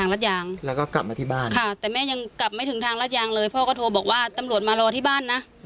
แล้วลับตำรวจก็รับมาที่บ้าน